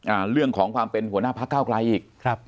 เรื่องของความเป็นหัวหน้าพักเก้าไกลอีกครับ